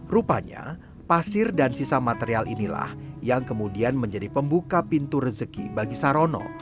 rupanya pasir dan sisa material inilah yang kemudian menjadi pembuka pintu rezeki bagi sarono